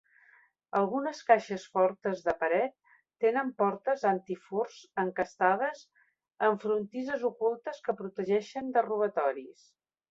Algunes caixes fortes de paret tenen portes antifurts encastades amb frontisses ocultes que protegeixen de robatoris.